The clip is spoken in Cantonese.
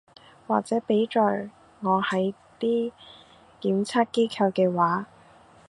或者畀在我係啲檢測機構嘅話